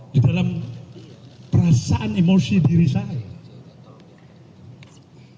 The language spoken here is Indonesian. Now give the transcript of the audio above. di dalam perasaan emosi diri saya